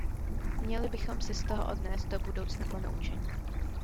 Měli bychom si z toho odnést do budoucna ponaučení.